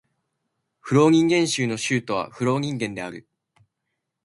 フローニンゲン州の州都はフローニンゲンである